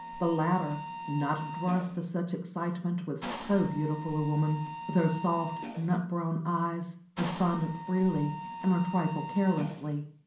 The latter, not averse to such excitement with so beautiful a woman, with her soft, nut brown eyes, responded freely and a trifle carelessly.